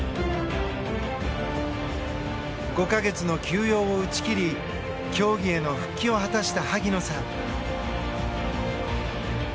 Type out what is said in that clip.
５か月の休養を打ち切り競技への復帰を果たした萩野さん。